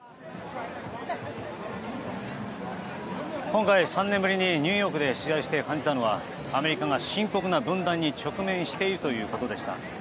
今回３年ぶりにニューヨークで取材をして感じたのはアメリカが深刻な分断に直面しているということでした。